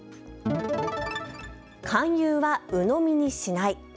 勧誘はうのみにしない。